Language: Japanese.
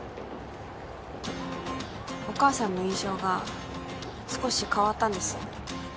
お母さんの印象が少し変わったんです